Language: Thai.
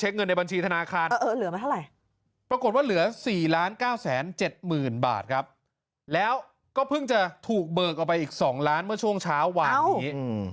นะนาคารเหลือมาเท่าไรปรากฏว่าเหลือสี่ล้านเก้าแสนเจ็ดหมื่นบาทครับแล้วก็เพิ่งจะถูกเบิกเอาไปอีกสองล้านเมื่อช่วงเช้าหวานนี้อ๋ออืม